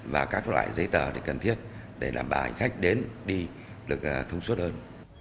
và các loại giấy tờ cần thiết để đảm bảo hành khách đến đi được thông suốt hơn